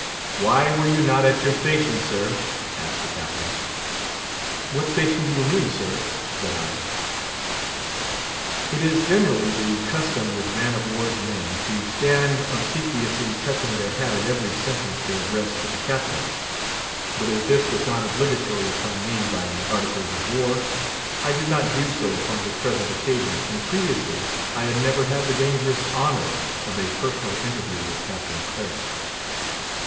"Why were you not at your station, sir?" asked the Captain. "What station do you mean, sir?" said I. It is generally the custom with man of war's men to stand obsequiously touching their hat at every sentence they address to the Captain. But as this was not obligatory upon me by the Articles of War, I did not do so upon the present occasion, and previously, I had never had the dangerous honour of a personal interview with Captain Claret.